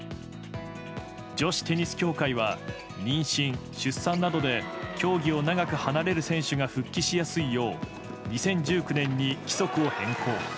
女子テニス協会は妊娠・出産などで競技を長く離れる選手が復帰しやすいよう２０１９年に規則を変更。